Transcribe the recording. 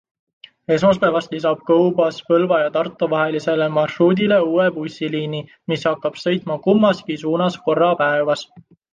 Esmaspäevast lisab Go Bus Põlva ja Tartu vahelisele marsruudile uue bussiliini, mis hakkab sõitma kummaski suunas korra päevas.